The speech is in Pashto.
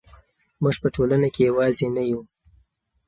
موږ په ټولنه کې یوازې نه یو.